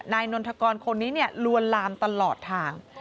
นนทกรคนนี้ลวนลามตลอดทาง